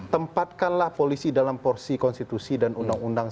tempatkanlah polisi dalam porsi konstitusi dan undang undang